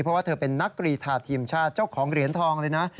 เพราะว่าเธอเป็นนักกรีธาทีมชาติเจ้าของเหรียญทองเลยนะ